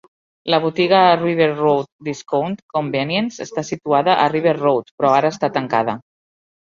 La botiga River Road Discount Convenience està situada a River Road però ara està tancada.